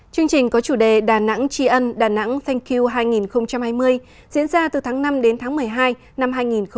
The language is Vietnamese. chương trình có chủ đề đà nẵng tri ân đà nẵng thank you hai nghìn hai mươi diễn ra từ tháng năm đến tháng một mươi hai năm hai nghìn hai mươi